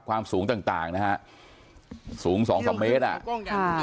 ความสูงต่างต่างนะฮะสูงสองสามเมตรอ่ะ